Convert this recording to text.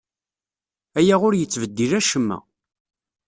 Aya ur yettbeddil acemma.